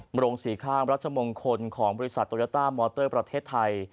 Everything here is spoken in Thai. โรงสีข้างรัชมงคลของบริษัทโตโยต้ามอเตอร์ประเทศไทย